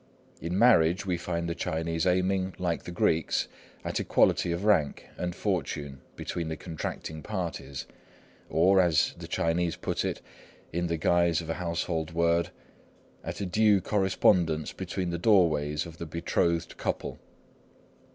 In marriage, we find the Chinese aiming, like the Greeks, at equality of rank and fortune between the contracting parties, or, as the Chinese put it, in the guise of a household word, at a due correspondence between the doorways of the betrothed couple.